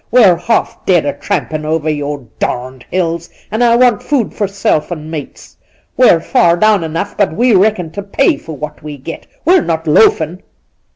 We're half dead o' trampin' over your d d hills, and I want food for self and mates. We're h,v down enough, but we reckon to pay .for what we get. We're not loafin'